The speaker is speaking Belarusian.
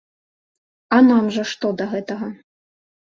А нам жа што да гэтага?